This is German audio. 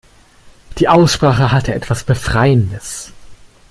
Die Aussprache hatte etwas Befreiendes.